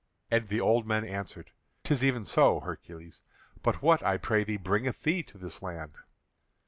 And the old men answered: "'Tis even so, Hercules. But what, I pray thee, bringeth thee to this land?"